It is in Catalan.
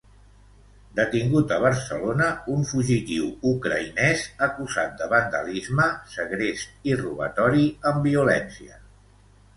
Detingut a Barcelona un fugitiu ucraïnès acusat de vandalisme, segrest i robatori amb violència.